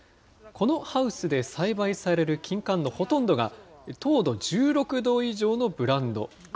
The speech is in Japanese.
このハウスで栽培されるきんかんのほとんどが、糖度１６度以上のブランド。